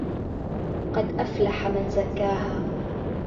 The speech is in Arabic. قَدْ أَفْلَحَ مَنْ زَكَّاهَا